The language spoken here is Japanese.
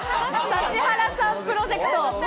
指原さんプロジェクト。